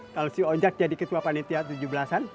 kalo si ojak jadi ketua panitia tujuh belas an